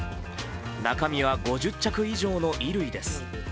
中身は５０着以上の衣類です。